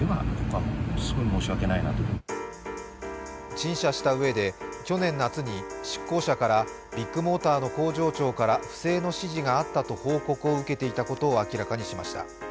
陳謝したうえで、去年夏に出向者からビッグモーターの工場長から不正の指示があったと報告を受けていたことを明らかにしました。